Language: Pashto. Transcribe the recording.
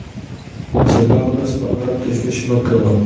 د سبا ورځې په اړه تشویش مه کوه.